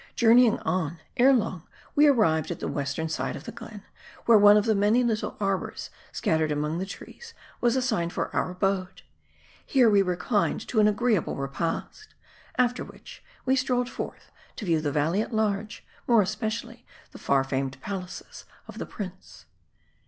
Journeying on, ere long we ar rived at the western side of the glen ; where one of the many little arbors scattered among the trees, was assigned for our abode. Here, we reclined to an agreeable repast. After which, we strolled forth to view the valley at large ; more especially the far famed palaces of the prince.